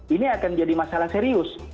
ini akan jadi masalah serius